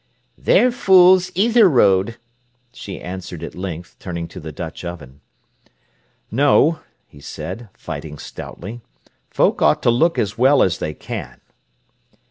"They're fools either road," she answered at length, turning to the Dutch oven. "No," he said, fighting stoutly. "Folk ought to look as well as they can."